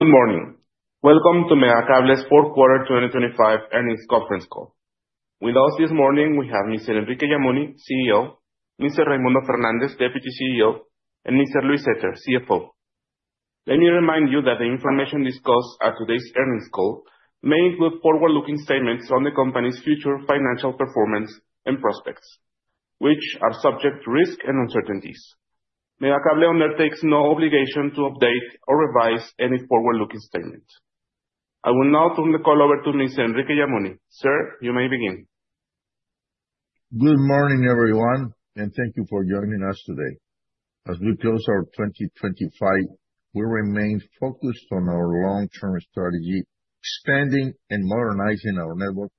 Good morning. Welcome to Megacable's Fourth Quarter 2025 Earnings Conference Call. With us this morning, we have Mr. Enrique Yamuni, CEO, Mr. Raymundo Fernández, Deputy CEO, and Mr. Luis Zetter, CFO. Let me remind you that the information discussed at today's earnings call may include forward-looking statements on the company's future financial performance and prospects, which are subject to risk and uncertainties. Megacable undertakes no obligation to update or revise any forward-looking statements. I will now turn the call over to Mr. Enrique Yamuni. Sir, you may begin. Good morning, everyone, and thank you for joining us today. As we close our 2025, we remain focused on our long-term strategy, expanding and modernizing our network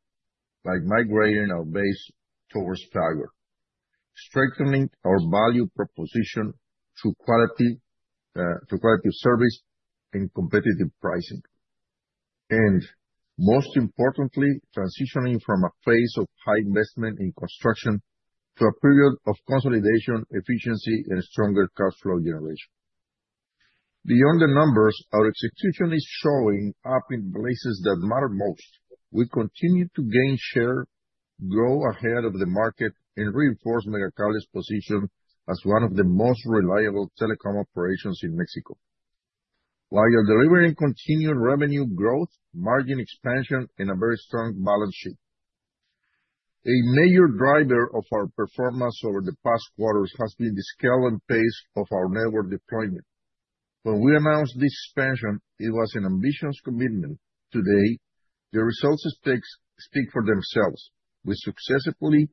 by migrating our base towards fiber, strengthening our value proposition through quality, through quality of service and competitive pricing, and most importantly, transitioning from a phase of high investment in construction to a period of consolidation, efficiency, and stronger cash flow generation. Beyond the numbers, our execution is showing up in places that matter most. We continue to gain share, grow ahead of the market, and reinforce Megacable's position as one of the most reliable telecom operations in Mexico. While delivering continued revenue growth, margin expansion, and a very strong balance sheet. A major driver of our performance over the past quarters has been the scale and pace of our network deployment. When we announced this expansion, it was an ambitious commitment. Today, the results speak for themselves. We successfully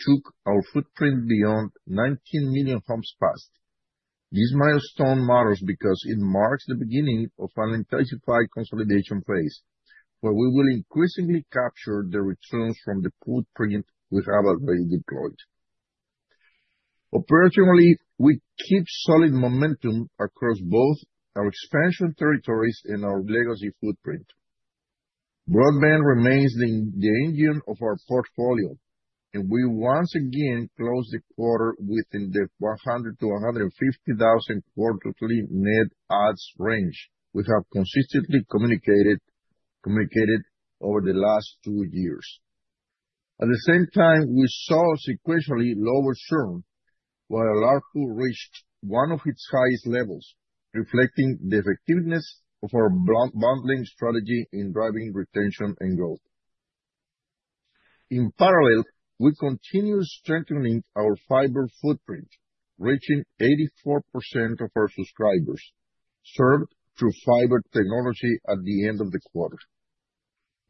took our footprint beyond 19 million homes passed. This milestone matters because it marks the beginning of an intensified consolidation phase, where we will increasingly capture the returns from the footprint we have already deployed. Operationally, we keep solid momentum across both our expansion territories and our legacy footprint. Broadband remains the engine of our portfolio, and we once again closed the quarter within the 100,000–150,000 quarterly net adds range we have consistently communicated over the last two years. At the same time, we saw sequentially lower churn, while ARPU reached one of its highest levels, reflecting the effectiveness of our bundling strategy in driving retention and growth. In parallel, we continue strengthening our fiber footprint, reaching 84% of our subscribers, served through fiber technology at the end of the quarter.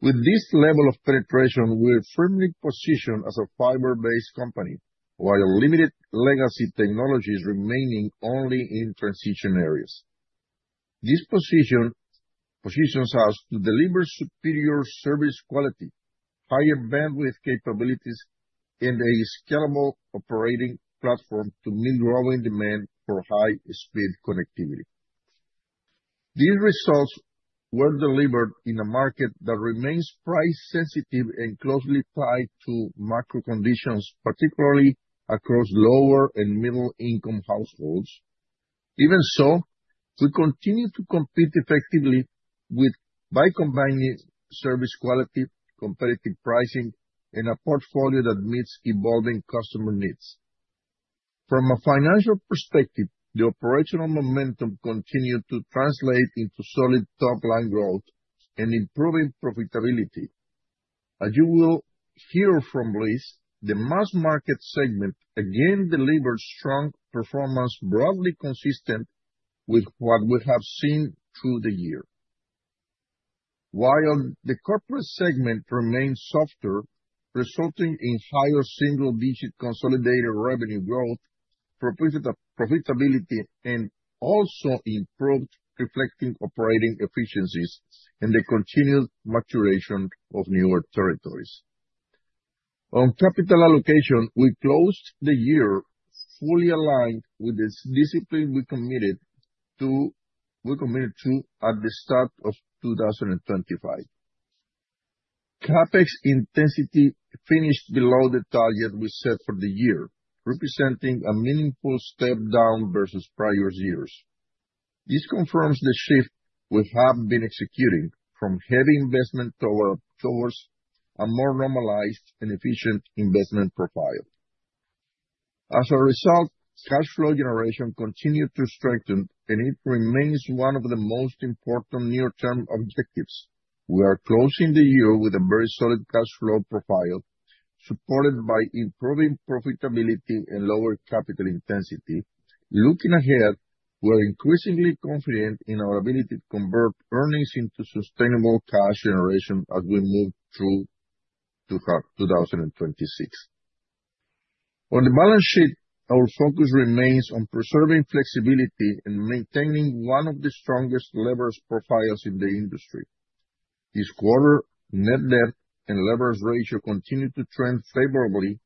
With this level of penetration, we're firmly positioned as a fiber-based company, while limited legacy technologies remaining only in transition areas. This positions us to deliver superior service quality, higher bandwidth capabilities, and a scalable operating platform to meet growing demand for high-speed connectivity. These results were delivered in a market that remains price sensitive and closely tied to macro conditions, particularly across lower and middle-income households. Even so, we continue to compete effectively by combining service quality, competitive pricing, and a portfolio that meets evolving customer needs. From a financial perspective, the operational momentum continued to translate into solid top-line growth and improving profitability. As you will hear from Luis, the mass market segment again delivered strong performance, broadly consistent with what we have seen through the year. While the corporate segment remained softer, resulting in higher single-digit consolidated revenue growth, profitability also improved, reflecting operating efficiencies and the continued maturation of newer territories. On capital allocation, we closed the year fully aligned with the discipline we committed to at the start of 2025. CapEx intensity finished below the target we set for the year, representing a meaningful step down versus prior years. This confirms the shift we have been executing from heavy investment toward a more normalized and efficient investment profile. As a result, cash flow generation continued to strengthen, and it remains one of the most important near-term objectives. We are closing the year with a very solid cash flow profile, supported by improving profitability and lower capital intensity. Looking ahead, we are increasingly confident in our ability to convert earnings into sustainable cash generation as we move through 2026. On the balance sheet, our focus remains on preserving flexibility and maintaining one of the strongest leverage profiles in the industry. This quarter, net debt and leverage ratio continued to trend favorably,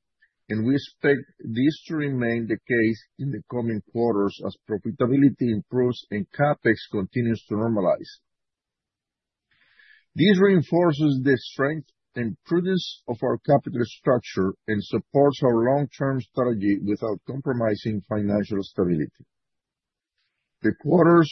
and we expect this to remain the case in the coming quarters as profitability improves and CapEx continues to normalize. This reinforces the strength and prudence of our capital structure and supports our long-term strategy without compromising financial stability. The quarter's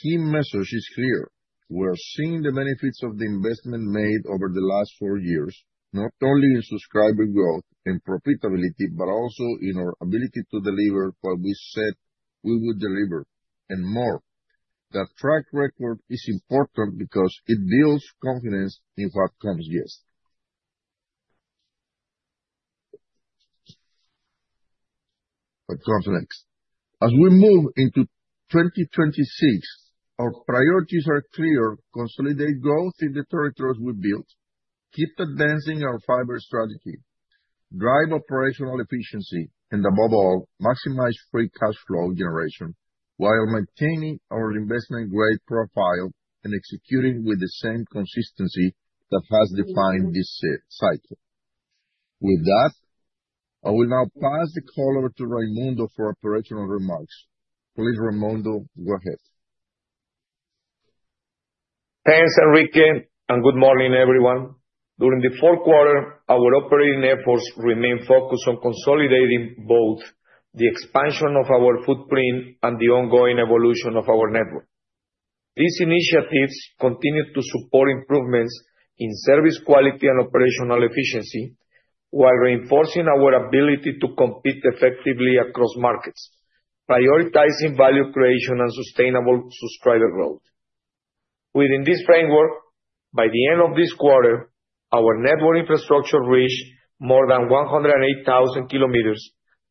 key message is clear: We are seeing the benefits of the investment made over the last four years, not only in subscriber growth and profitability, but also in our ability to deliver what we said we would deliver, and more. That track record is important because it builds confidence in what comes yes, what comes next. As we move into 2026, our priorities are clear: consolidate growth in the territories we built, keep advancing our fiber strategy, drive operational efficiency, and above all, maximize free cash flow generation while maintaining our investment grade profile and executing with the same consistency that has defined this cycle. With that, I will now pass the call over to Raymundo for operational remarks. Please, Raymundo, go ahead. Thanks, Enrique, and good morning, everyone. During the fourth quarter, our operating efforts remained focused on consolidating both the expansion of our footprint and the ongoing evolution of our network. These initiatives continued to support improvements in service, quality, and operational efficiency, while reinforcing our ability to compete effectively across markets, prioritizing value creation and sustainable subscriber growth. Within this framework, by the end of this quarter, our network infrastructure reached more than 108,000 km,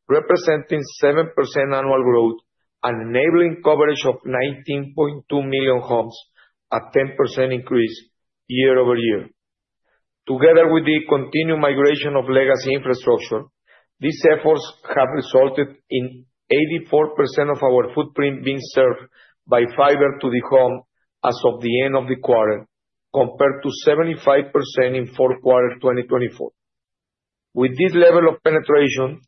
representing 7% annual growth and enabling coverage of 19.2 million homes, a 10% increase year-over-year. Together with the continued migration of legacy infrastructure, these efforts have resulted in 84% of our footprint being served by fiber to the home as of the end of the quarter, compared to 75% in fourth quarter 2024. With this level of penetration,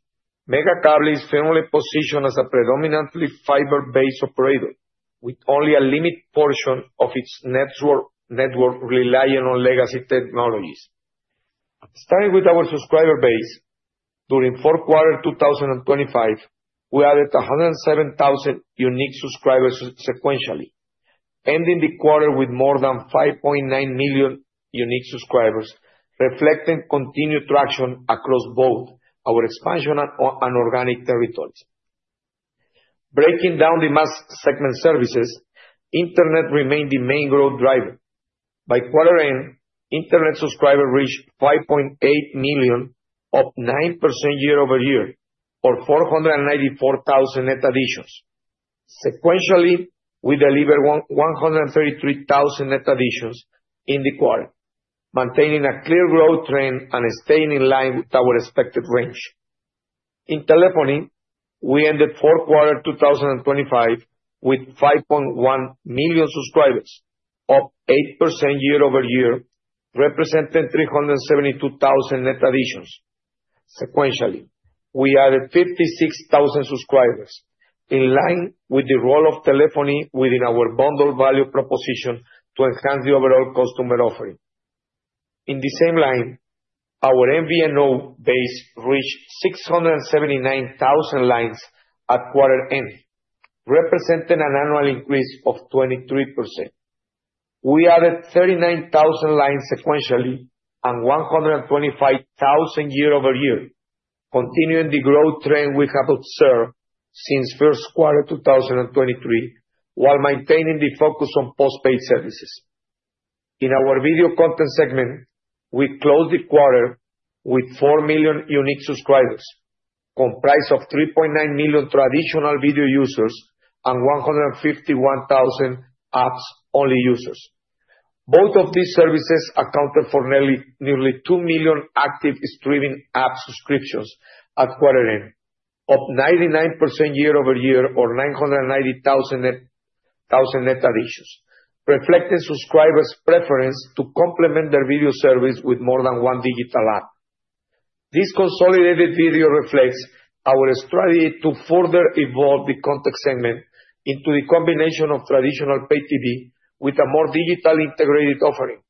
Megacable is firmly positioned as a predominantly fiber-based operator, with only a limited portion of its network relying on legacy technologies. Starting with our subscriber base, during fourth quarter 2025, we added 107,000 unique subscribers sequentially, ending the quarter with more than 5.9 million unique subscribers, reflecting continued traction across both our expansion and organic territories. Breaking down the mass segment services, Internet remained the main growth driver. By quarter end, Internet subscriber reached 5.8 million, up 9% year-over-year, or 494,000 net additions. Sequentially, we delivered 133,000 net additions in the quarter, maintaining a clear growth trend and staying in line with our expected range. In telephony, we ended fourth quarter 2025 with 5.1 million subscribers, up 8% year-over-year, representing 372,000 net additions. Sequentially, we added 56,000 subscribers, in line with the role of telephony within our bundle value proposition to enhance the overall customer offering. In the same line, our MVNO base reached 679,000 lines at quarter end, representing an annual increase of 23%. We added 39,000 lines sequentially and 125,000 year-over-year, continuing the growth trend we have observed since first quarter 2023, while maintaining the focus on postpaid services. In our video content segment, we closed the quarter with four million unique subscribers, comprised of 3.9 million traditional video users and 151,000 apps-only users. Both of these services accounted for nearly two million active streaming app subscriptions at quarter end, up 99% year-over-year or 990,000 net additions, reflecting subscribers' preference to complement their video service with more than one digital app. This consolidated video reflects our strategy to further evolve the content segment into a combination of traditional paid TV with a more digital integrated offering,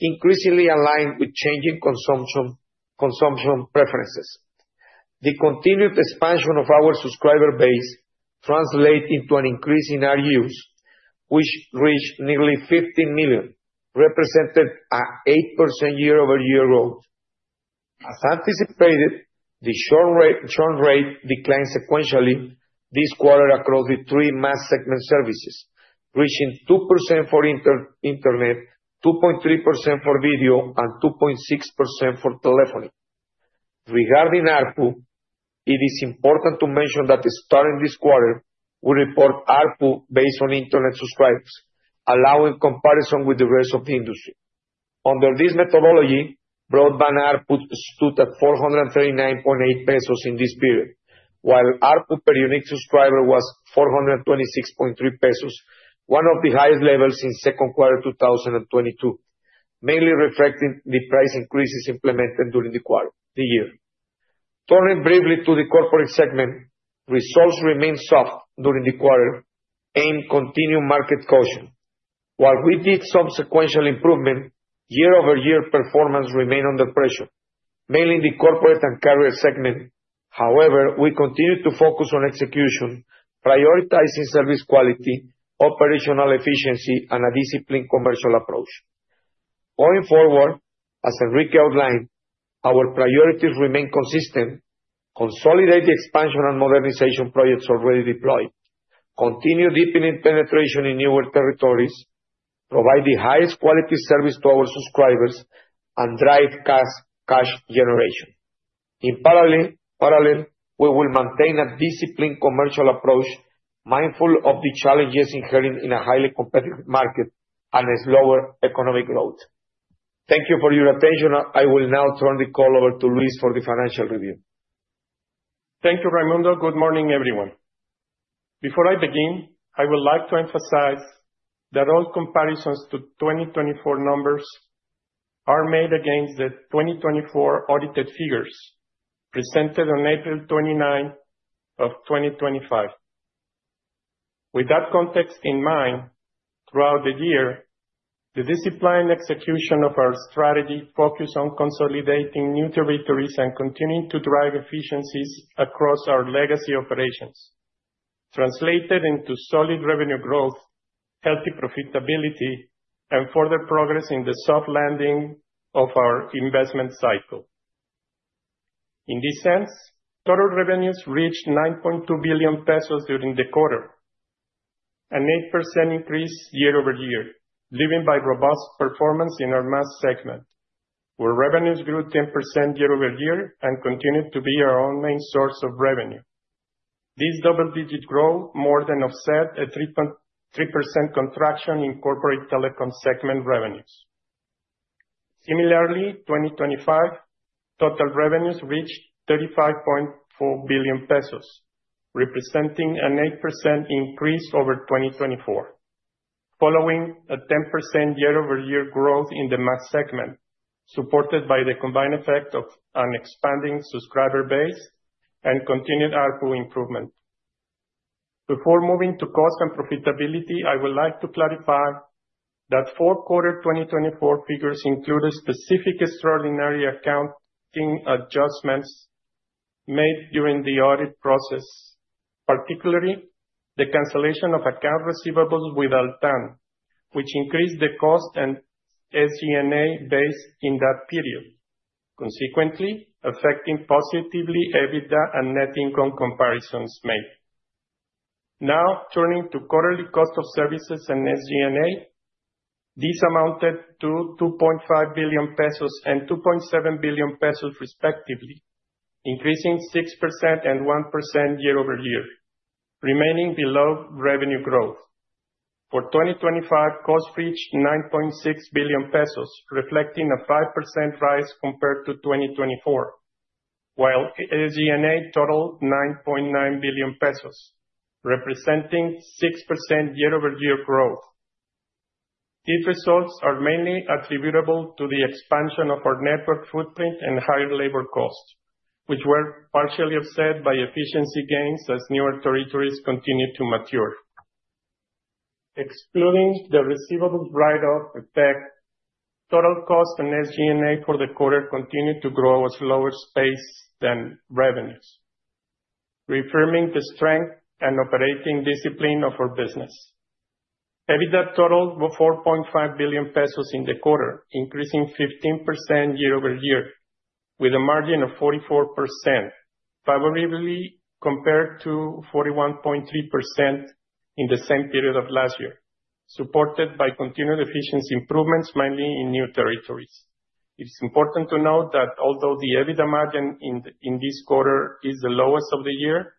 increasingly aligned with changing consumption preferences. The continued expansion of our subscriber base translate into an increase in our RUs, which reached nearly 15 million, represented at 8% year-over-year growth. As anticipated, the churn rate declined sequentially this quarter across the three mass segment services, reaching 2% for Internet, 2.3% for video, and 2.6% for telephony. Regarding ARPU, it is important to mention that starting this quarter, we report ARPU based on Internet subscribers, allowing comparison with the rest of the industry. Under this methodology, broadband ARPU stood at 439.8 pesos in this period, while ARPU per unique subscriber was 426.3 pesos, one of the highest levels since second quarter 2022, mainly reflecting the price increases implemented during the quarter, the year. Turning briefly to the corporate segment, results remained soft during the quarter and continued market caution. While we did some sequential improvement, year-over-year performance remained under pressure, mainly in the corporate and carrier segment. However, we continued to focus on execution, prioritizing service quality, operational efficiency, and a disciplined commercial approach. Going forward, as Enrique outlined, our priorities remain consistent: consolidate the expansion and modernization projects already deployed, continue deepening penetration in newer territories, provide the highest quality service to our subscribers, and drive cash generation. In parallel, we will maintain a disciplined commercial approach, mindful of the challenges inherent in a highly competitive market and a slower economic growth. Thank you for your attention. I will now turn the call over to Luis for the financial review. Thank you, Raymundo. Good morning, everyone. Before I begin, I would like to emphasize that all comparisons to 2024 numbers are made against the 2024 audited figures presented on April 29 of 2025. With that context in mind, throughout the year, the disciplined execution of our strategy focused on consolidating new territories and continuing to drive efficiencies across our legacy operations, translated into solid revenue growth, healthy profitability, and further progress in the soft landing of our investment cycle. In this sense, total revenues reached 9.2 billion pesos during the quarter, an 8% increase year-over-year, driven by robust performance in our mass segment, where revenues grew 10% year-over-year and continued to be our own main source of revenue. This double-digit growth more than offset a 3.3% contraction in corporate telecom segment revenues. Similarly, 2025 total revenues reached 35.4 billion pesos, representing an 8% increase over 2024, following a 10% year-over-year growth in the mass segment, supported by the combined effect of an expanding subscriber base and continued ARPU improvement. Before moving to cost and profitability, I would like to clarify that fourth quarter 2024 figures include a specific extraordinary accounting adjustments made during the audit process, particularly the cancellation of accounts receivable with Altán, which increased the cost and SG&A based in that period, consequently affecting positively EBITDA and net income comparisons made. Now, turning to quarterly cost of services and SG&A, this amounted to 2.5 billion pesos and 2.7 billion pesos respectively, increasing 6% and 1% year-over-year, remaining below revenue growth. For 2025, costs reached 9.6 billion pesos, reflecting a 5% rise compared to 2024, while SG&A totaled 9.9 billion pesos, representing 6% year-over-year growth. These results are mainly attributable to the expansion of our network footprint and higher labor costs, which were partially offset by efficiency gains as newer territories continued to mature. Excluding the receivables write-off effect, total cost and SG&A for the quarter continued to grow at a slower pace than revenues, reaffirming the strength and operating discipline of our business. EBITDA totaled 4.5 billion pesos in the quarter, increasing 15% year-over-year, with a margin of 44%, favorably compared to 41.3% in the same period of last year, supported by continued efficiency improvements, mainly in new territories. It is important to note that although the EBITDA margin in this quarter is the lowest of the year,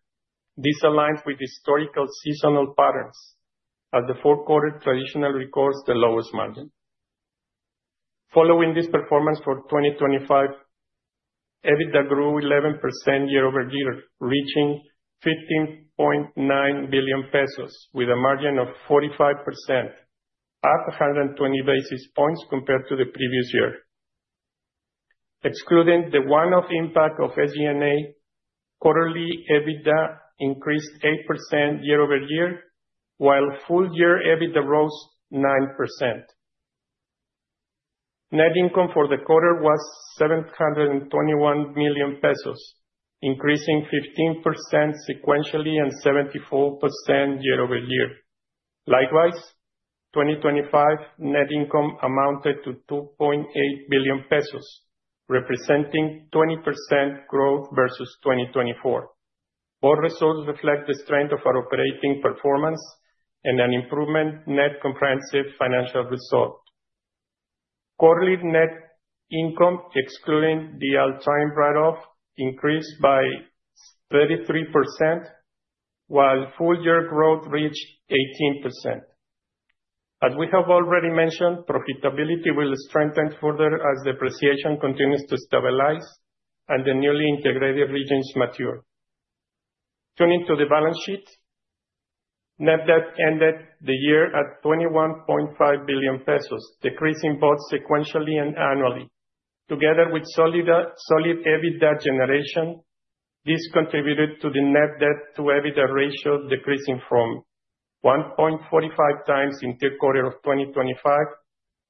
this aligns with historical seasonal patterns, as the fourth quarter traditionally records the lowest margin. Following this performance for 2025, EBITDA grew 11% year-over-year, reaching 15.9 billion pesos with a margin of 45%, up 120 basis points compared to the previous year. Excluding the one-off impact of SG&A, quarterly EBITDA increased 8% year-over-year, while full year EBITDA rose 9%. Net income for the quarter was 721 million pesos, increasing 15% sequentially and 74% year-over-year. Likewise, 2025 net income amounted to 2.8 billion pesos, representing 20% growth versus 2024. All results reflect the strength of our operating performance and an improvement net comprehensive financial result. Quarterly net income, excluding the Altán write-off, increased by 33%, while full year growth reached 18%. As we have already mentioned, profitability will strengthen further as depreciation continues to stabilize and the newly integrated regions mature. Turning to the balance sheet, net debt ended the year at 21.5 billion pesos, decreasing both sequentially and annually, together with solid EBITDA generation. This contributed to the net debt to EBITDA ratio, decreasing from 1.45x in third quarter of 2025,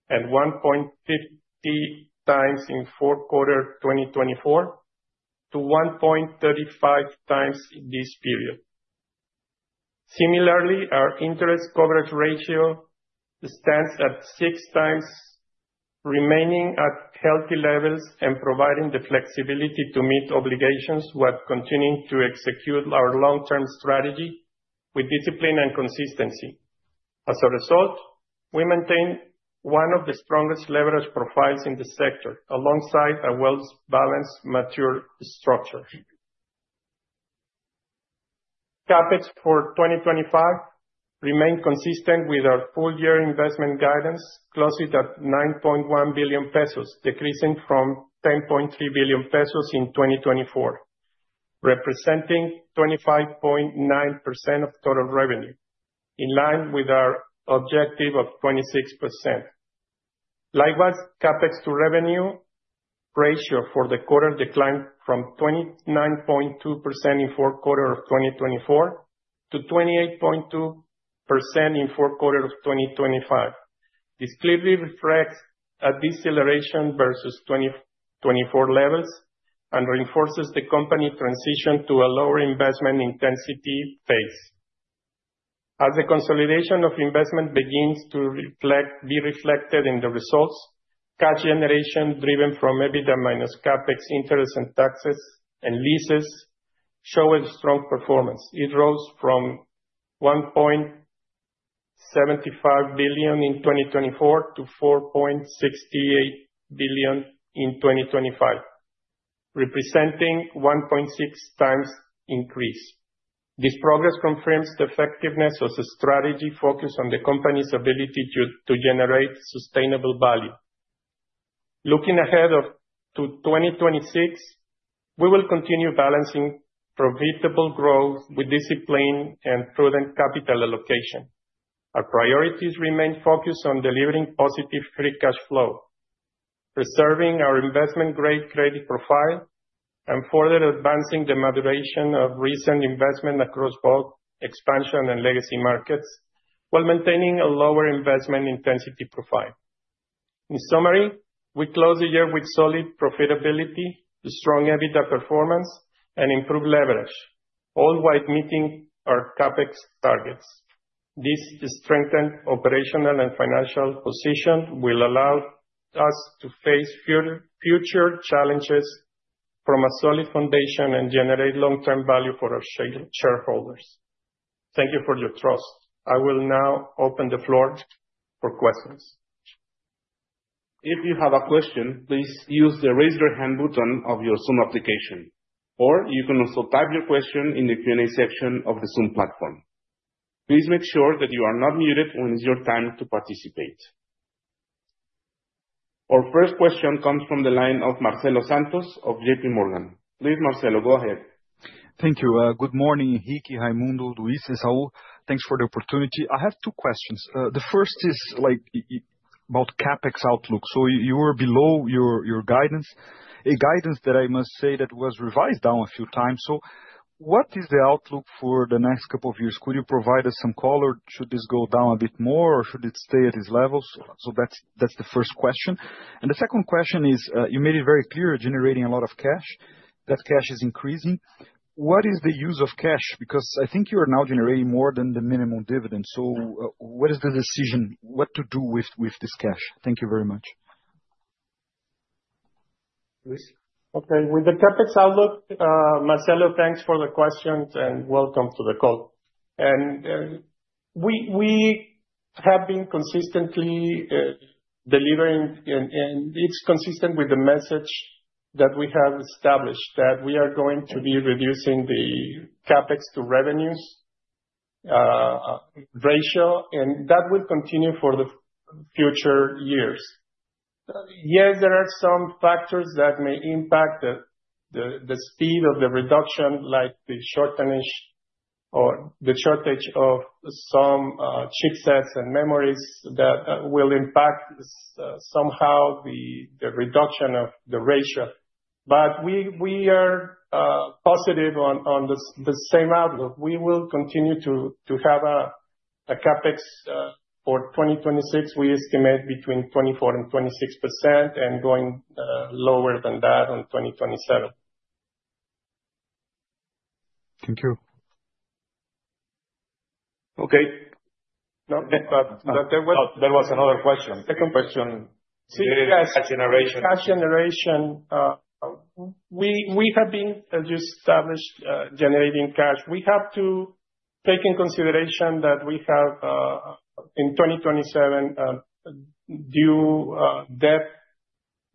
and 1.50x in fourth quarter 2024, to 1.35x in this period. Similarly, our interest coverage ratio stands at 6x, remaining at healthy levels and providing the flexibility to meet obligations while continuing to execute our long-term strategy with discipline and consistency. As a result, we maintain one of the strongest leverage profiles in the sector, alongside a well-balanced, mature structure. CapEx for 2025 remained consistent with our full year investment guidance, closing at 9.1 billion pesos, decreasing from 10.3 billion pesos in 2024, representing 25.9% of total revenue, in line with our objective of 26%. Likewise, CapEx to revenue ratio for the quarter declined from 29.2% in fourth quarter of 2024 to 28.2% in fourth quarter of 2025. This clearly reflects a deceleration versus 2024 levels and reinforces the company transition to a lower investment intensity phase. As the consolidation of investment begins to be reflected in the results, cash generation, driven from EBITDA minus CapEx interest and taxes and leases, showed strong performance. It rose from 1.75 billion in 2024 to 4.68 billion in 2025, representing 1.6x increase. This progress confirms the effectiveness of the strategy focused on the company's ability to generate sustainable value. Looking ahead to 2026, we will continue balancing profitable growth with discipline and prudent capital allocation. Our priorities remain focused on delivering positive free cash flow, preserving our investment-grade credit profile, and further advancing the moderation of recent investment across both expansion and legacy markets, while maintaining a lower investment intensity profile. In summary, we close the year with solid profitability, strong EBITDA performance, and improved leverage, all while meeting our CapEx targets. This strengthened operational and financial position will allow us to face future challenges from a solid foundation and generate long-term value for our shareholders. Thank you for your trust. I will now open the floor for questions. If you have a question, please use the Raise Your Hand button of your Zoom application, or you can also type your question in the Q&A section of the Zoom platform. Please make sure that you are not muted when it's your time to participate. Our first question comes from the line of Marcelo Santos of JPMorgan. Please, Marcelo, go ahead. Thank you. Good morning, Enrique, Raymundo, Luis, and Saul. Thanks for the opportunity. I have two questions. The first is, like, about CapEx outlook. So you were below your guidance, the guidance that I must say that was revised down a few times. So what is the outlook for the next couple of years? Could you provide us some color? Should this go down a bit more, or should it stay at this level? So that's the first question. And the second question is, you made it very clear, generating a lot of cash, that cash is increasing. What is the use of cash? Because I think you are now generating more than the minimum dividend. So what is the decision, what to do with this cash? Thank you very much. Luis? Okay. With the CapEx outlook, Marcelo, thanks for the questions, and welcome to the call. And, we have been consistently delivering, and it's consistent with the message that we have established, that we are going to be reducing the CapEx to revenues ratio, and that will continue for the future years. Yes, there are some factors that may impact the speed of the reduction, like the shortage of some chipsets and memories that will impact somehow the reduction of the ratio. But we are positive on the same outlook. We will continue to have a CapEx for 2026, we estimate between 24%-26%, and going lower than that on 2027. Thank you. Okay. No, but there was another question. Second question. Generation. Cash generation. We have been, as you established, generating cash. We have to take in consideration that we have in 2027, due debt,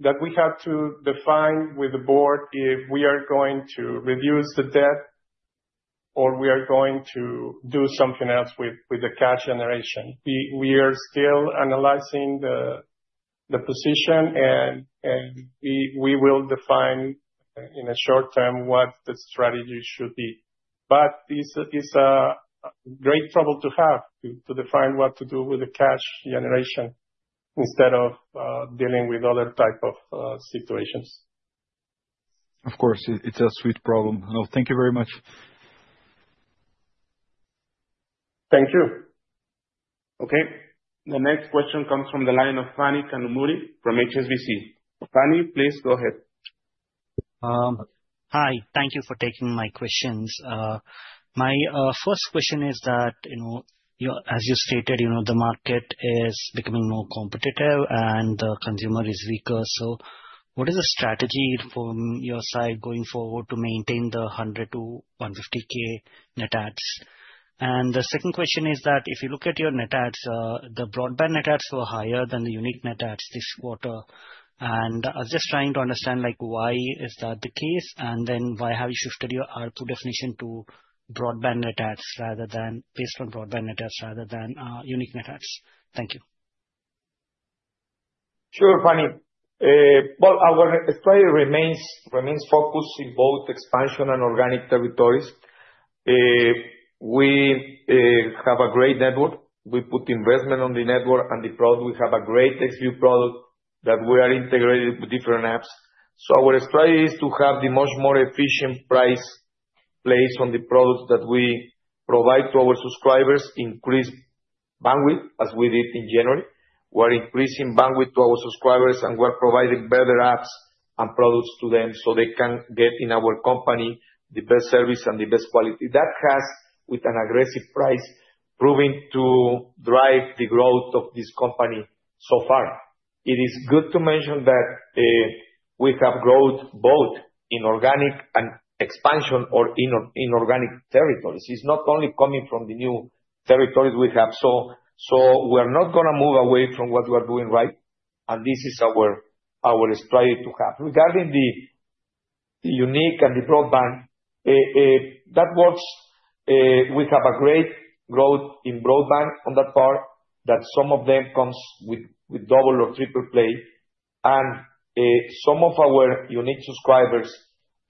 that we have to define with the board if we are going to reduce the debt or we are going to do something else with the cash generation. We are still analyzing the position, and we will define in a short term what the strategy should be. But this is a great trouble to have, to define what to do with the cash generation, instead of dealing with other type of situations. Of course, it's a sweet problem. Well, thank you very much. Thank you. Okay, the next question comes from the line of Phani Kanumuri from HSBC. Phani, please go ahead. Hi. Thank you for taking my questions. My first question is that, you know, your, as you stated, you know, the market is becoming more competitive, and the consumer is weaker. So what is the strategy from your side going forward to maintain the 100,000–150,000 net adds? And the second question is that if you look at your net adds, the broadband net adds were higher than the unique net adds this quarter. And I was just trying to understand, like, why is that the case? And then by how you shifted your ARPU definition to broadband net adds, rather than based on broadband net adds, rather than unique net adds. Thank you. Sure, Phani. Well, our strategy remains focused in both expansion and organic territories. We have a great network. We put investment on the network, and the product. We have a great XView product that we are integrated with different apps. So our strategy is to have the much more efficient price place on the products that we provide to our subscribers, increase bandwidth, as we did in January. We're increasing bandwidth to our subscribers, and we're providing better apps and products to them, so they can get in our company, the best service and the best quality. That has, with an aggressive price, proven to drive the growth of this company so far. It is good to mention that we have growth both in organic and expansion or inorganic territories. It's not only coming from the new territories we have. So, we're not gonna move away from what we're doing right, and this is our strategy to have. Regarding the unique and the broadband, that was—we have a great growth in broadband on that part, that some of them comes with double or triple play. And some of our unique subscribers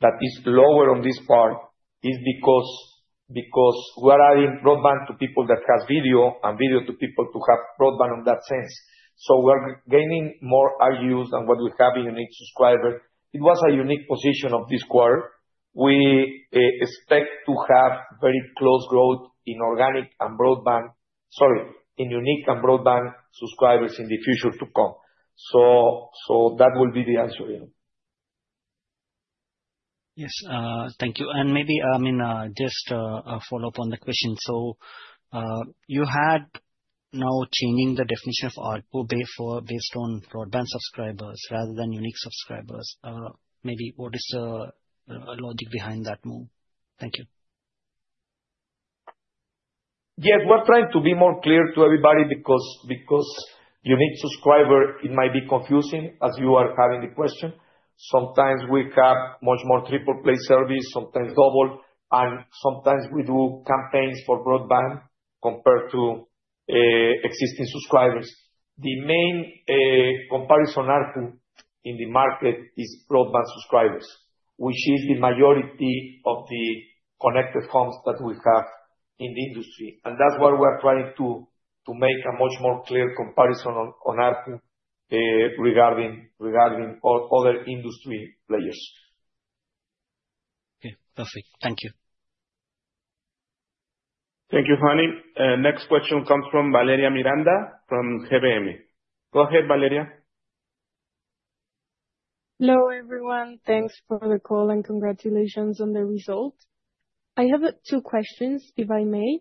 that is lower on this part is because we're adding broadband to people that have video, and video to people to have broadband in that sense. So we're gaining more ARPUs than what we have in unique subscriber. It was a unique position of this quarter. We expect to have very close growth in unique and broadband subscribers in the future to come. So that would be the answer, yeah. Yes, thank you. And maybe, in just a follow-up on the question. So, you had now changing the definition of ARPU based on broadband subscribers rather than unique subscribers. Maybe what is the logic behind that move? Thank you. Yeah. We're trying to be more clear to everybody, because unique subscriber, it might be confusing, as you are having the question. Sometimes we have much more triple play service, sometimes double, and sometimes we do campaigns for broadband compared to existing subscribers. The main comparison ARPU in the market is broadband subscribers, which is the majority of the connected homes that we have in the industry. And that's why we're trying to make a much more clear comparison on ARPU regarding other industry players. Okay, perfect. Thank you. Thank you, Phani. Next question comes from Valeria Miranda from GBM. Go ahead, Valeria. Hello, everyone. Thanks for the call, and congratulations on the result. I have two questions, if I may.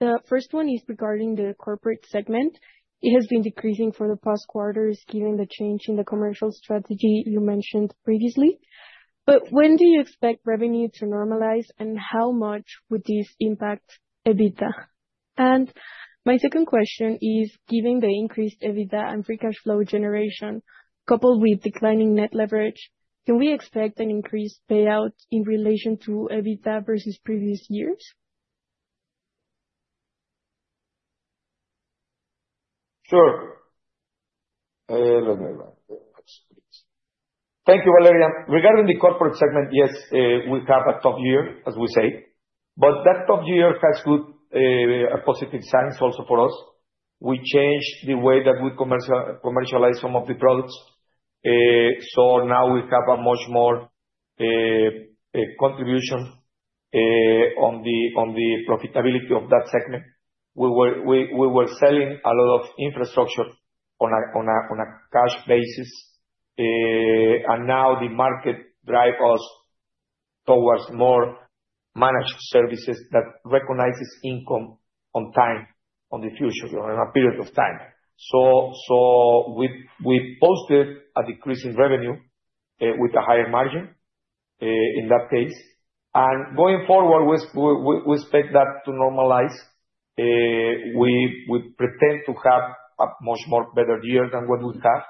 The first one is regarding the corporate segment. It has been decreasing for the past quarters, given the change in the commercial strategy you mentioned previously. But when do you expect revenue to normalize, and how much would this impact EBITDA? And my second question is, given the increased EBITDA and free cash flow generation, coupled with declining net leverage, can we expect an increased payout in relation to EBITDA versus previous years? Sure. Let me write that question, please. Thank you, Valeria. Regarding the corporate segment, yes, we have a tough year, as we say, but that tough year has good—a positive signs also for us. We changed the way that we commercialize some of the products. So now we have a much more contribution on the profitability of that segment. We were selling a lot of infrastructure on a cash basis. And now the market drive us towards more managed services that recognizes income on time, on the future, or in a period of time. So we posted a decrease in revenue with a higher margin in that case, and going forward, we expect that to normalize. We pretend to have a much more better year than what we have,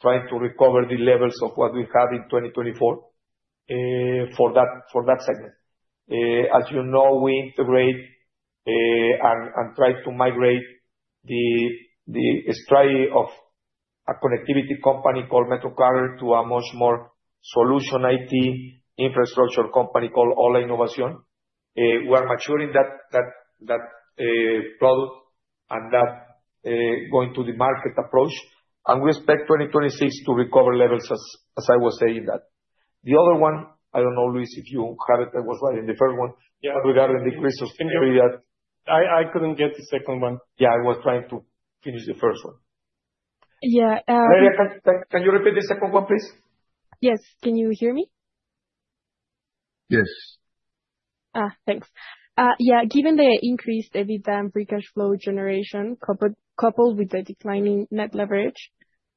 trying to recover the levels of what we had in 2024 for that segment. As you know, we integrate and try to migrate the strategy of a connectivity company called MetroCarrier, to a much more solution IT infrastructure company called ho1a Innovación. We are maturing that product, and that going to the market approach, and we expect 2026 to recover levels, as I was saying that. The other one, I don't know, Luis, if you had it, I was right in the first one. Yeah. Regarding the increase of- I couldn't get the second one. Yeah, I was trying to finish the first one. Yeah, uh- Valeria, can you repeat the second one, please? Yes. Can you hear me? Yes. Thanks. Yeah, given the increased EBITDA and free cash flow generation, coupled with the declining net leverage,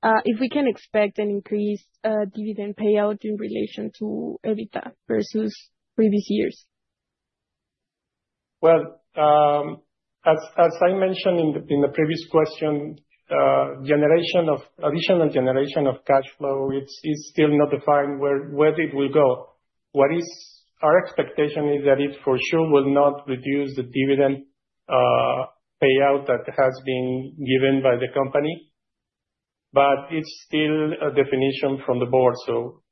if we can expect an increased dividend payout in relation to EBITDA versus previous years? Well, as I mentioned in the previous question, additional generation of cashflow, it's still not defined where it will go. Our expectation is that it, for sure, will not reduce the dividend payout that has been given by the company, but it's still a definition from the board. So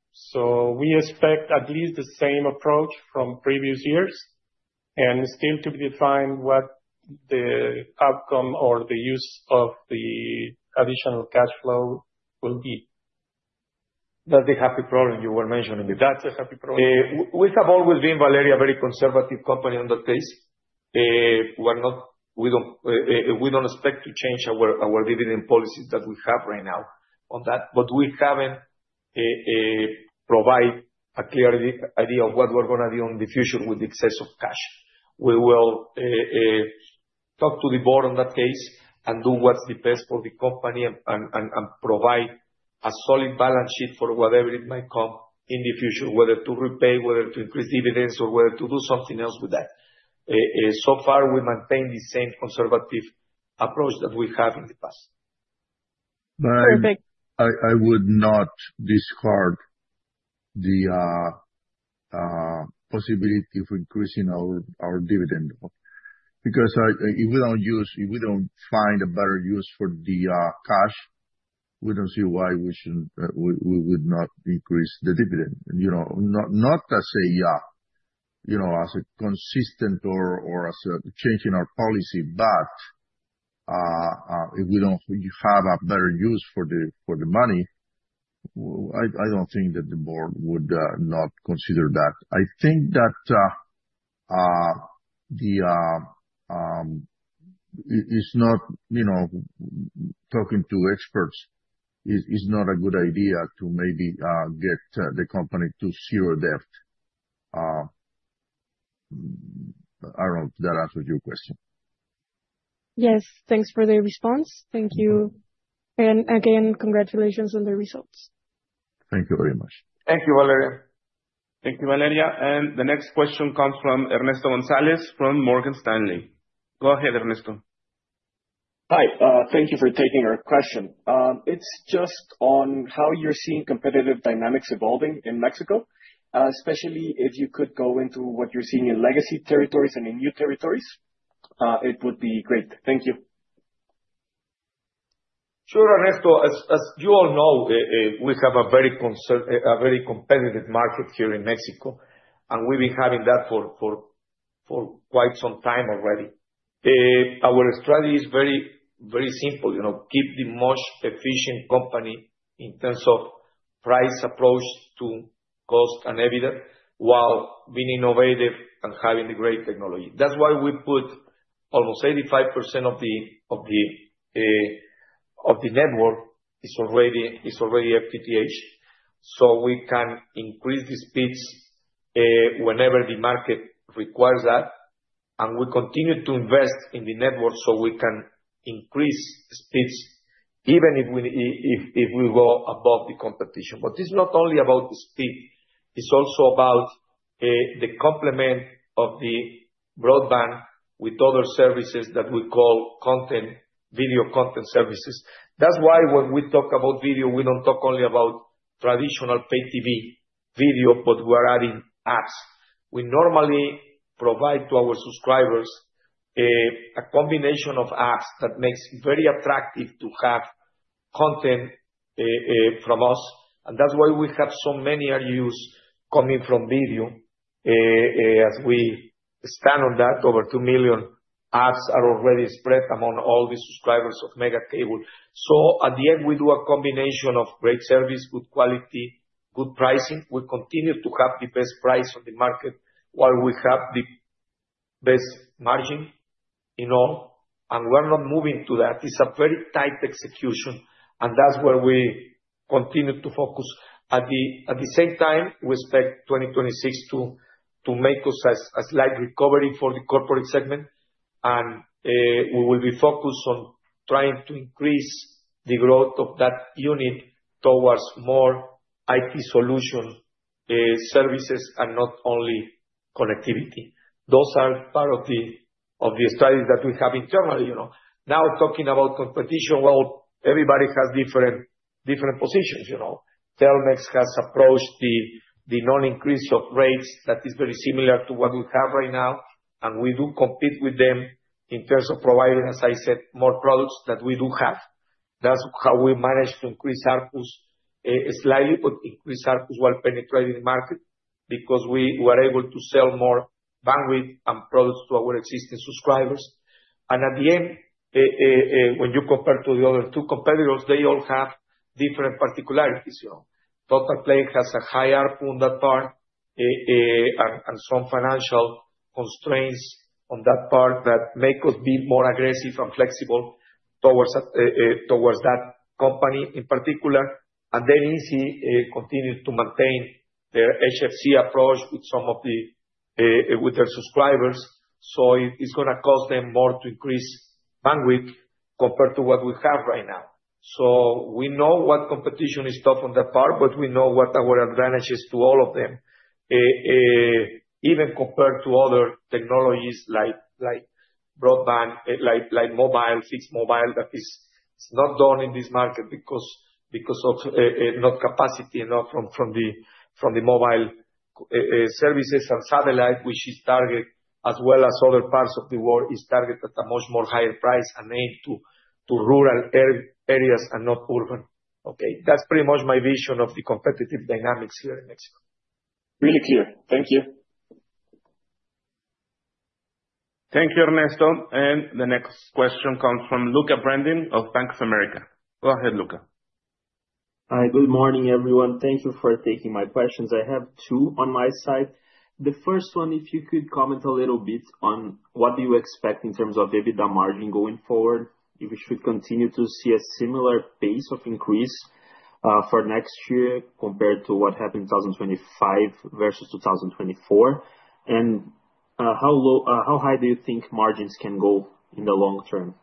we expect at least the same approach from previous years, and it's still to be defined what the outcome or the use of the additional cashflow will be. That's a happy problem you were mentioning. That's a happy problem. We have always been, Valeria, a very conservative company on that case. We're not—we don't expect to change our dividend policies that we have right now on that, but we haven't provide a clear idea of what we're gonna do in the future with the excess of cash. We will talk to the board on that case, and do what's the best for the company, and provide a solid balance sheet for whatever it might come in the future, whether to repay, whether to increase dividends, or whether to do something else with that. So far, we maintain the same conservative approach that we had in the past. Perfect. But I would not discard the possibility of increasing our dividend. Because if we don't find a better use for the cash, we don't see why we shouldn't, we would not increase the dividend. You know, not as a, you know, as a consistent or as a change in our policy, but if we don't have a better use for the money, I don't think that the board would not consider that. I think that, you know, talking to experts, it's not a good idea to maybe get the company to zero debt. I don't know if that answers your question. Yes, thanks for the response. Thank you. And again, congratulations on the results. Thank you very much. Thank you, Valeria. Thank you, Valeria, and the next question comes from Ernesto Gonzalez from Morgan Stanley. Go ahead, Ernesto. Hi. Thank you for taking our question. It's just on how you're seeing competitive dynamics evolving in Mexico, especially if you could go into what you're seeing in legacy territories and in new territories, it would be great. Thank you. Sure, Ernesto. As you all know, we have a very competitive market here in Mexico, and we've been having that for quite some time already. Our strategy is very simple, you know, keep the most efficient company in terms of price approach to cost and EBITDA, while being innovative and having the great technology. That's why we put almost 85% of the network is already FTTH, so we can increase the speeds whenever the market requires that. And we continue to invest in the network so we can increase the speeds, even if we go above the competition. But it's not only about the speed, it's also about the complement of the broadband with other services that we call content, video content services. That's why when we talk about video, we don't talk only about traditional pay TV video, but we're adding apps. We normally provide to our subscribers a combination of apps that makes it very attractive to have content from us, and that's why we have so many RUs coming from video. As we stand on that, over two million apps are already spread among all the subscribers of Megacable. So at the end, we do a combination of great service, good quality, good pricing. We continue to have the best price on the market, while we have the best margin in all, and we're not moving to that. It's a very tight execution, and that's where we continue to focus. At the same time, we expect 2026 to make us a slight recovery for the corporate segment, and we will be focused on trying to increase the growth of that unit towards more IT solution services, and not only connectivity. Those are part of the studies that we have internally, you know. Now, talking about competition, well, everybody has different positions, you know. Telmex has approached the non-increase of rates that is very similar to what we have right now, and we do compete with them in terms of providing, as I said, more products that we do have. That's how we managed to increase ARPU slightly, but increase ARPU while penetrating the market, because we were able to sell more bandwidth and products to our existing subscribers. At the end, when you compare to the other two competitors, they all have different particularities, you know. Totalplay has a high ARPU on that part, and some financial constraints on that part that make us be more aggressive and flexible towards that company in particular. And then IZZI continues to maintain their HFC approach with some of the, with their subscribers, so it's gonna cost them more to increase bandwidth compared to what we have right now. So we know what competition is tough on that part, but we know what are our advantages to all of them. Even compared to other technologies like broadband, like mobile, fixed mobile, that is, it's not done in this market because of not enough capacity from the mobile services and satellite, which is targeted, as well as other parts of the world, at a much higher price and aimed to rural areas and not urban. Okay? That's pretty much my vision of the competitive dynamics here in Mexico. Really clear. Thank you. Thank you, Ernesto. The next question comes from Lucca Brendim of Bank of America. Go ahead, Luka. Hi, good morning, everyone. Thank you for taking my questions. I have two on my side. The first one, if you could comment a little bit on what do you expect in terms of EBITDA margin going forward? If we should continue to see a similar pace of increase for next year compared to what happened in 2025 versus 2024? And how high do you think margins can go in the long term?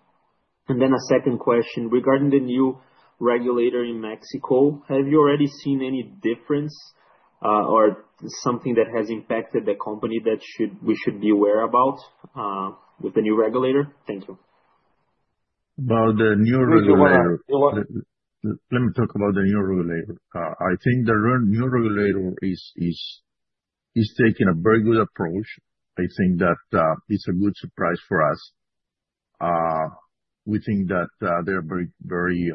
And then a second question: regarding the new regulator in Mexico, have you already seen any difference or something that has impacted the company that we should be aware about with the new regulator? Thank you. About the new regulator- Go ahead. Let me talk about the new regulator. I think the new regulator is taking a very good approach. I think that it's a good surprise for us. We think that they're very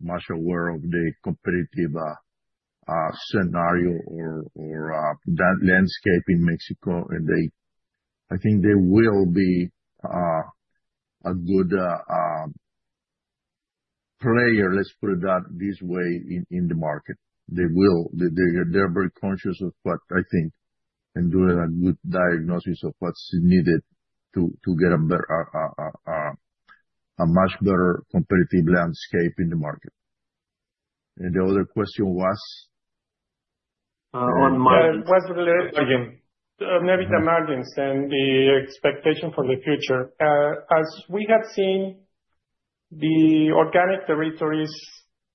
much aware of the competitive scenario or that landscape in Mexico, and they—I think they will be a good player, let's put it that way, in the market. They will. They’re very conscious of what I think, and doing a good diagnosis of what's needed to get a much better competitive landscape in the market. And the other question was? On margins. It was again, EBITDA margins and the expectation for the future. As we have seen, the organic territories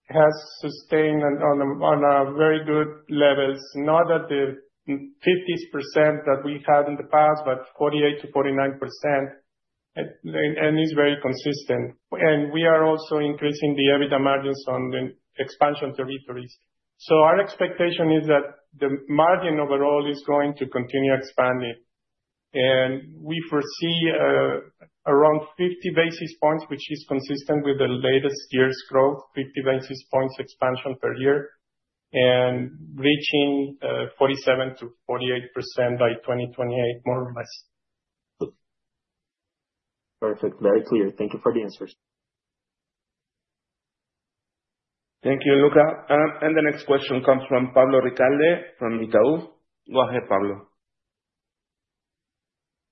has sustained on a very good levels, not at the 50% that we've had in the past, but 48%-49%, and is very consistent. And we are also increasing the EBITDA margins on the expansion territories. So our expectation is that the margin overall is going to continue expanding. And we foresee around 50 basis points, which is consistent with the latest year's growth, 50 basis points expansion per year, and reaching 47%-48% by 2028, more or less. Perfect. Very clear. Thank you for the answers. Thank you, Luka. The next question comes from Pablo Ricalde, from Itaú. Go ahead, Pablo.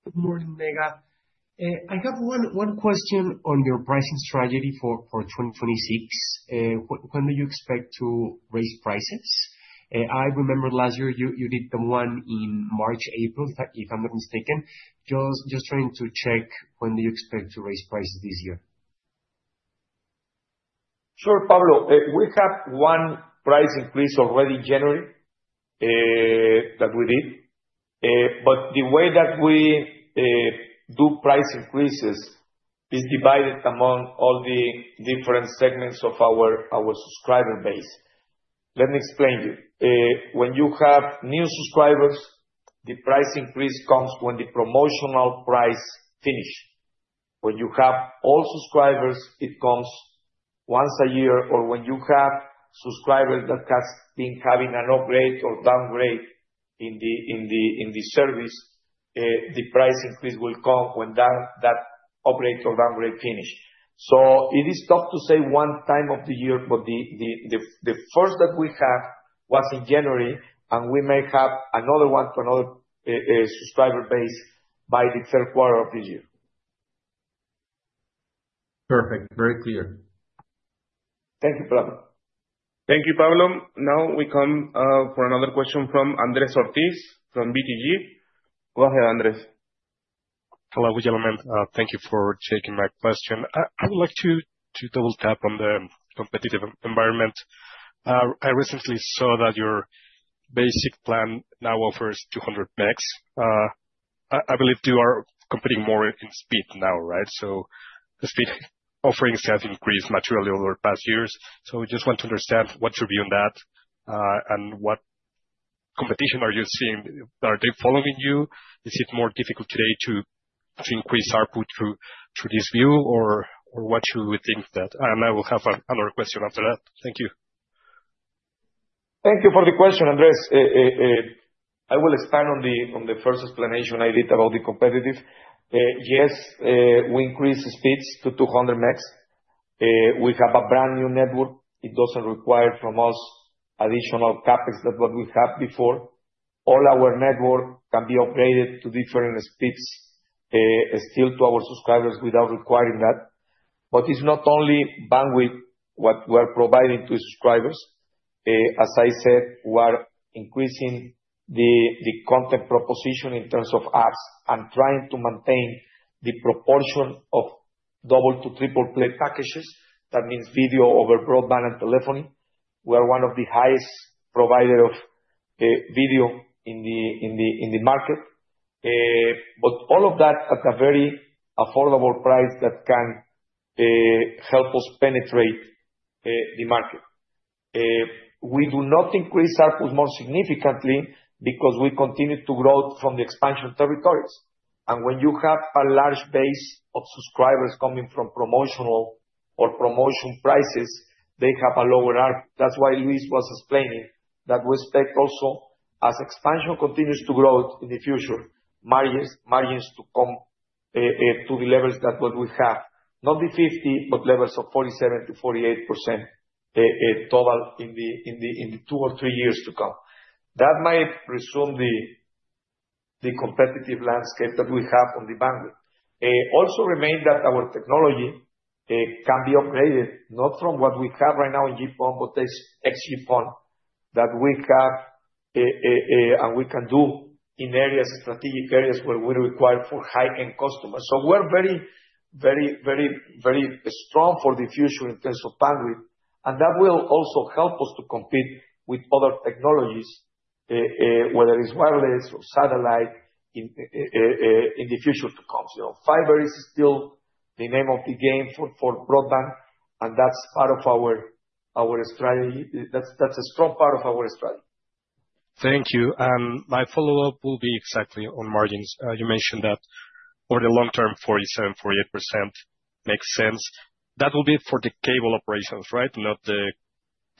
Good morning, Mega. I have one question on your pricing strategy for 2026. When do you expect to raise prices? I remember last year, you did the one in March, April, if I'm not mistaken. Just trying to check, when do you expect to raise prices this year? Sure, Pablo. We have one price increase already in January that we did. But the way that we do price increases is divided among all the different segments of our subscriber base. Let me explain to you. When you have new subscribers, the price increase comes when the promotional price finish. When you have old subscribers, it comes once a year, or when you have subscribers that has been having an upgrade or downgrade in the service, the price increase will come when that upgrade or downgrade finish. So it is tough to say one time of the year, but the first that we had was in January, and we may have another one for another subscriber base by the third quarter of this year. Perfect. Very clear. Thank you, Pablo. Thank you, Pablo. Now we come for another question from Andrés Ortiz, from BTG. Go ahead, Andrés. Hello, gentlemen. Thank you for taking my question. I would like to double tap on the competitive environment. I recently saw that your basic plan now offers 200 Megs. I believe you are competing more in speed now, right? So the speed offerings have increased materially over the past years, so we just want to understand what's your view on that, and what competition are you seeing? Are they following you? Is it more difficult today to increase ARPU through this view, or what you would think that? And I will have another question after that. Thank you. Thank you for the question, Andrés. I will expand on the first explanation I did about the competitive. Yes, we increased the speeds to 200 Megs. We have a brand new network. It doesn't require from us additional CapEx than what we had before. All our network can be upgraded to different speeds, still to our subscribers, without requiring that. But it's not only bandwidth what we're providing to subscribers. As I said, we're increasing the, the content proposition in terms of apps, and trying to maintain the proportion of double to triple play packages. That means video over broadband and telephony. We're one of the highest provider of video in the market. But all of that at a very affordable price that can help us penetrate the market. We do not increase ARPU more significantly, because we continue to grow from the expansion territories, and when you have a large base of subscribers coming from promotional or promotion prices, they have a lower ARPU. That's why Luis was explaining, that we expect also, as expansion continues to grow in the future, margins to come to the levels that what we have. Not the 50%, but levels of 47%-48% total, in the two or three years to come. That might resume the competitive landscape that we have on the bandwidth. Also remain that our technology can be upgraded, not from what we have right now in GPON, but XGS-PON, that we have. And we can do in areas, strategic areas, where we're required for high-end customers. So we're very, very strong for the future in terms of bandwidth, and that will also help us to compete with other technologies, whether it's wireless or satellite, in the future to come. So fiber is still the name of the game for broadband and that's part of our strategy. That's a strong part of our strategy. Thank you, and my follow-up will be exactly on margins. You mentioned that over the long term, 47%-48% makes sense. That will be for the cable operations, right? Not the,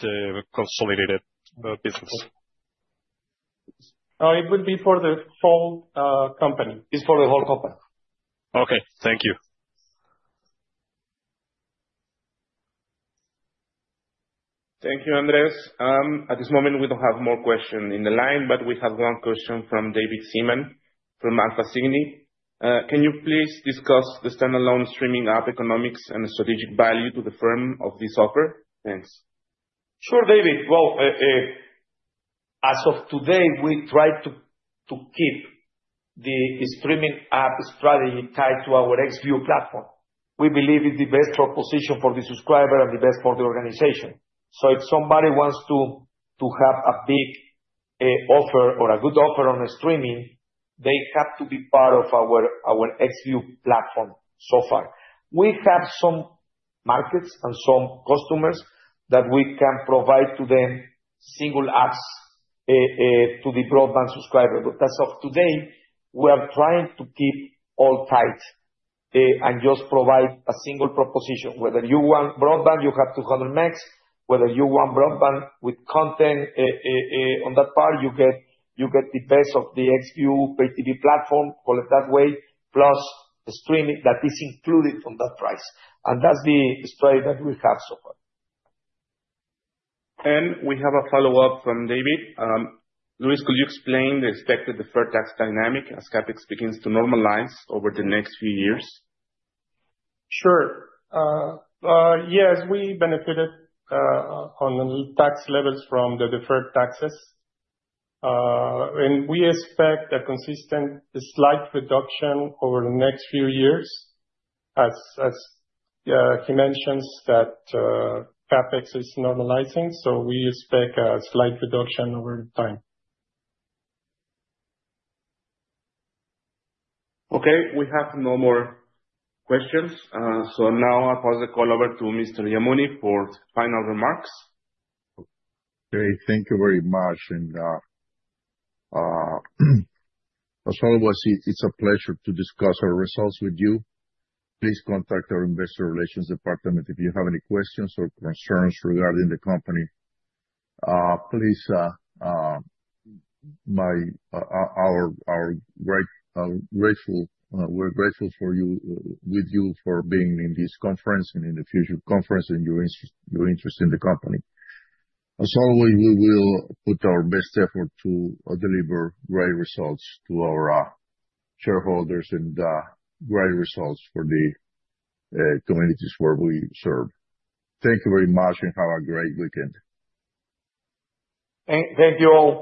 the consolidated, business. It will be for the whole company. It's for the whole company. Okay. Thank you. Thank you, Andrés. At this moment, we don't have more question in the line, but we have one question from David Seaman, from [Alfasini]. Can you please discuss the standalone streaming app economics and the strategic value to the firm of this offer? Thanks. Sure, David. Well, as of today, we try to keep the streaming app strategy tied to our Xview platform. We believe it's the best proposition for the subscriber, and the best for the organization. So if somebody wants to have a big offer or a good offer on the streaming, they have to be part of our Xview platform, so far. We have some markets and some customers that we can provide to them single apps to the broadband subscriber, but as of today, we are trying to keep all tied and just provide a single proposition. Whether you want broadband, you have 200 Megs. Whether you want broadband with content, on that part, you get the best of the Xview pay TV platform, call it that way plus the streaming that is included from that price, and that's the strategy that we have so far. We have a follow-up from David. Luis, could you explain the expected deferred tax dynamic, as CapEx begins to normalize over the next few years? Sure. Yes, we benefited on the tax levels from the deferred taxes. And we expect a consistent slight reduction over the next few years, as he mentions, that CapEx is normalizing, so we expect a slight reduction over time. Okay, we have no more questions, so now I'll pass the call over to Mr. Yamuni for final remarks. Great, thank you very much, and, as always, it's a pleasure to discuss our results with you. Please contact our investor relations department if you have any questions or concerns regarding the company. We're grateful with you for being in this conference, and in the future conference, and your interest in the company. As always, we will put our best effort to deliver great results to our shareholders, and great results for the communities where we serve. Thank you very much, and have a great weekend. Thank you all.